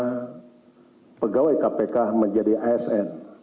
karena pegawai kpk menjadi asn